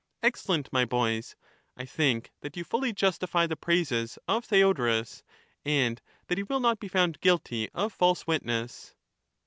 Excellent, my boys; I think that you fully justify the praises of Theodorus, and that he will not be found guilty of false witness.